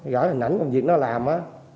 gửi hình ảnh công việc nó làm á